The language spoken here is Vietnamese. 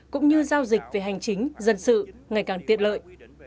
cũng như giao dịch về hành chính dân sự ngày càng tiện lợi